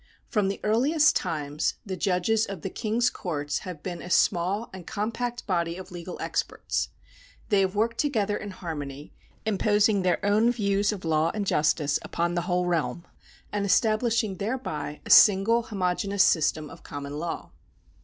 From the earliest times the judges of the king's courts have been a small and compact body of legal experts. They have worked together in harmony, imposing their own views of law and justice upon the whole realm, and establishing thereby a single homogeneous system of common law.